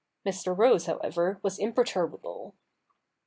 Mr. Rose, however, was imperturbable.